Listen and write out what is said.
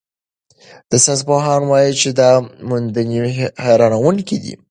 ساینسپوهان وايي چې دا موندنې حیرانوونکې دي.